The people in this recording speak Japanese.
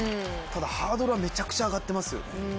ただハードルはめちゃくちゃ上がってますよね。